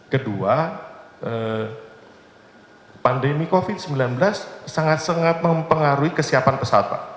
kedua pandemi covid sembilan belas sangat sangat mempengaruhi kesiapan pesawat pak